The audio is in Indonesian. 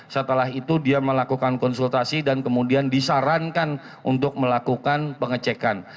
setelah itu dia melakukan konsultasi dan kemudian disarankan untuk melakukan pengecekan